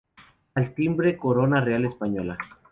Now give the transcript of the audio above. Al timbre corona real española.